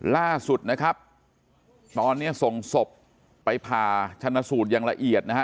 ล่าสุดนะครับตอนนี้ส่งศพไปผ่าชนสูตรอย่างละเอียดนะฮะ